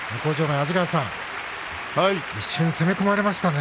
安治川さん一瞬攻め込まれましたね。